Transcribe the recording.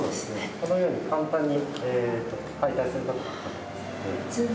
このように簡単に解体することができます。